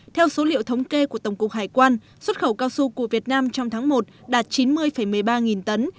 theo số liệu thống kê của tổng cục hải quan xuất khẩu cao su của việt nam trong tháng một đạt chín mươi một mươi ba nghìn tấn